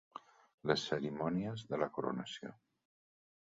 Les cerimònies de la coronació.